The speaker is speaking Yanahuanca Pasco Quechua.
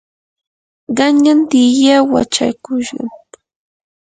qanyan tiyaa wachakushqam.